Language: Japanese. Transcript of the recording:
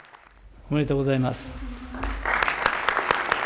ありがとうございます。